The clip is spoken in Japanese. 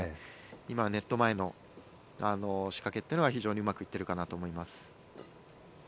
今、ネット前の仕掛けというのが非常にうまくいってるかなと思います。